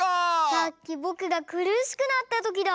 さっきぼくがくるしくなったときだ！